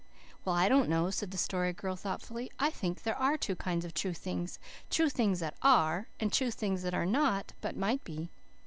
"Well, I don't know," said the Story Girl thoughtfully. "I think there are two kinds of true things true things that ARE, and true things that are NOT, but MIGHT be."